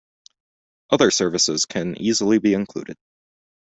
Other services can easily be included.